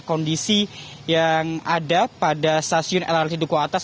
kondisi yang ada pada stasiun lrt duku atas